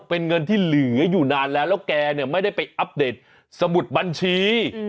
เป็นเงินที่เหลืออยู่นานแล้วแล้วแกเนี่ยไม่ได้ไปอัปเดตสมุดบัญชี